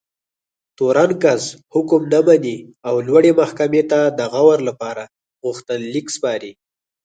تورن کس حکم نه مني او لوړې محکمې ته د غور لپاره غوښتنلیک سپاري.